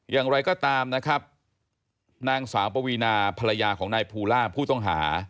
อย่างไรก็ตามนะครับนางสาวปวีนาภรรยาของนายภูล่าผู้ต้องหา